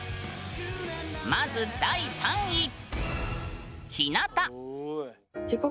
まず第３位。